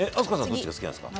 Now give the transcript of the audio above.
どっちが好きなんですか？